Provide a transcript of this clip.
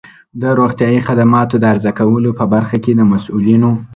د روغتیایی خدماتو د عرضه کولو په برخه کې د مسؤلینو